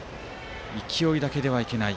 勢いだけではいけない。